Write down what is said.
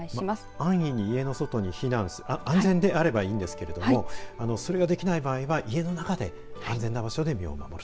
安易に家の外に避難する安全であればいいんですが避難ができない場合は家の中で安全な場所で身を守る。